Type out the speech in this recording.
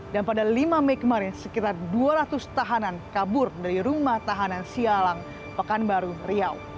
dan pada lima mei kemarin sekitar dua ratus tahanan kabur dari rumah tahanan sialang pekanbaru riau